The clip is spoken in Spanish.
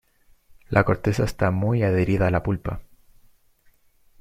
La corteza está muy adherida a la pulpa.